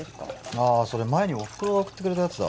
ああそれ前におふくろが送ってくれたやつだ